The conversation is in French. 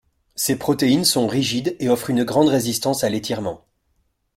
Ces protéines sont rigides et offrent une grande résistance à l’étirement.